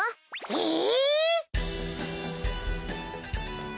ええ！